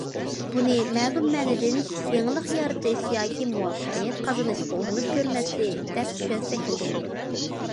بۇنى مەلۇم مەنىدىن يېڭىلىق يارىتىش ياكى مۇۋەپپەقىيەت قازىنىشقا ئۇرۇنۇپ كۆرمەسلىك دەپ چۈشەنسەكمۇ بولىدۇ.